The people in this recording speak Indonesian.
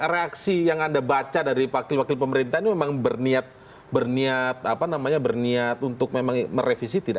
reaksi yang anda baca dari wakil wakil pemerintah ini memang berniat berniat untuk memang merevisi tidak